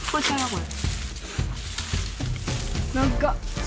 これ。